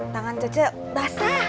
tangan cucu basah